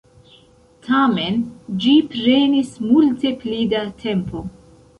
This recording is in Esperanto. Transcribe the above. Tamen, ĝi prenis multe pli da tempo.